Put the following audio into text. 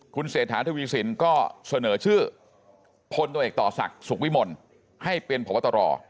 คุณเศรษฐาทวีสินก็เสนอชื่อพลตรวจเอกต่อศักดิ์สุขวิมลให้เป็นพบตร